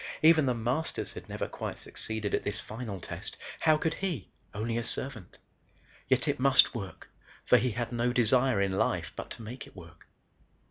Even The Masters had never quite succeeded at this final test, how could he, only a servant? Yet it must work for he had no desire in life but to make it work.